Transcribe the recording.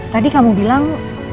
tadi kamu bilang